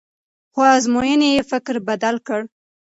خو ازموینې یې فکر بدل کړ.